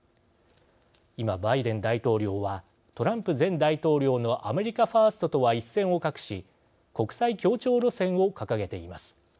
今、バイデン大統領はトランプ前大統領のアメリカ・ファーストとは一線を画し国際協調路線を掲げています。